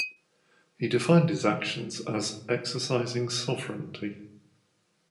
He defined his actions as "exercising sovereignty".